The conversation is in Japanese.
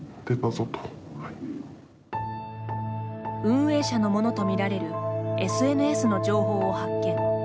運営者のものとみられるＳＮＳの情報を発見。